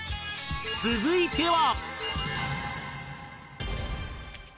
続いては